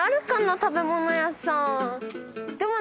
食べ物屋さん。